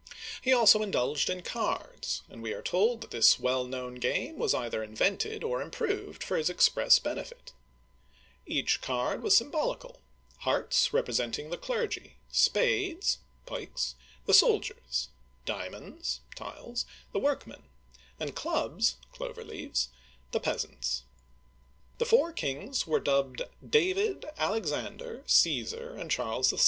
He also indulged in cards, and we are told this well known game was either invented or improved for his express benefit Each card was symbolical, hearts representing the clergy ; spades (pikes), the soldiers; diamonds (tiles), the workmen; and clubs (clover leaves), the peasants. The four kings were dubbed David, Alexander, Caesar, and Charles VI.